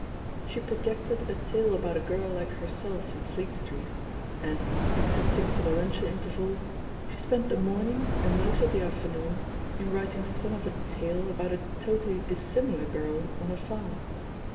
She projected a tale about a girl like herself in Fleet Street ; and, excepting for the luncheon interval, she spent the morning and most of the afternoon in writing some of a tale about a totally dissimi lar girl on a farm.